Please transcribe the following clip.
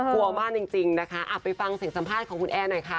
กลัวมากจริงนะคะไปฟังเสียงสัมภาษณ์ของคุณแอร์หน่อยค่ะ